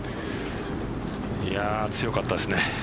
いやあ、強かったですね。